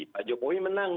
pak jokowi menang